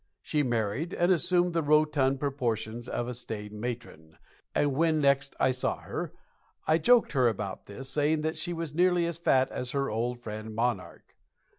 She married and assumed the rotund proportions of a staid matron, and when next I saw her I joked her about this, saying that she was nearly as fat as her old friend "Monarch."